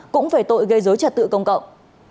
cũng về tội gây dối trật tự công cộng